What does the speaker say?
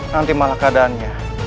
nanti malah keadaannya